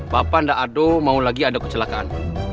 bapak anda ada mau lagi ada kecelakaan